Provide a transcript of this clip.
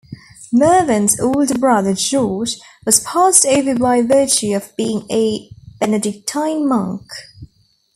Mervyn's older brother George was passed over by virtue of being a Benedictine monk.